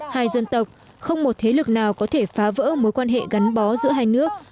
hai dân tộc không một thế lực nào có thể phá vỡ mối quan hệ gắn bó giữa hai nước